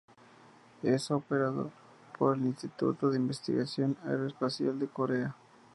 Es operado por el Instituto de Investigación Aeroespacial de Corea.